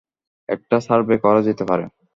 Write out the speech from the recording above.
একটা সার্ভে করা যেতে পারে।